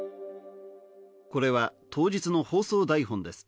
これは当日の放送台本です。